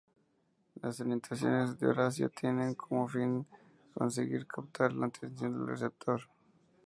Las orientaciones de Horacio tienen como fin el conseguir captar la atención del receptor.